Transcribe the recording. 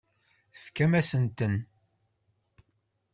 Tefkamt-asent-ten?